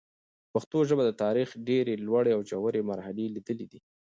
پښتو ژبه د تاریخ ډېري لوړي او ژوري مرحلې لیدلي دي.